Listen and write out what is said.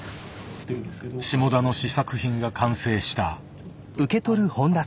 下田の試作品が完成した。